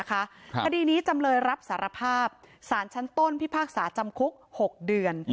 คดีนี้จำเลยรับสารภาพอศธภิภาคศจำคลุก๖เดือน